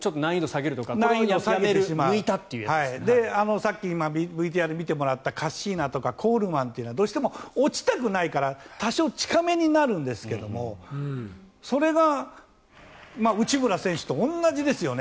さっきＶＴＲで見てもらったカッシーナとかコールマンはどうしても落ちたくないから多少近めになるんですけどそれが内村選手と同じですよね。